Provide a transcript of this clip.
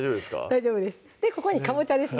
大丈夫ですでここにかぼちゃですね